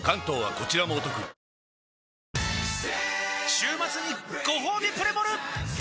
週末にごほうびプレモル！